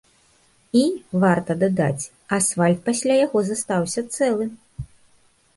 І, варта дадаць, асфальт пасля яго застаўся цэлы.